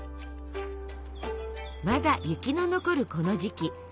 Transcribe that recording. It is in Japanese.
まだ雪の残るこの時期。